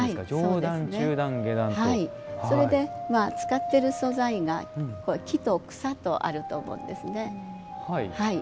それで、使っている素材が木と草とあると思うんですね。